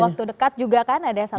dalam waktu dekat juga kan ada satu lagi